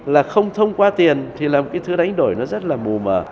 là không thông qua tiền thì làm cái thứ đánh đổi nó rất là mù mờ